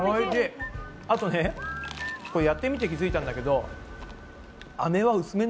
あとねこれやってみて気付いたんだけど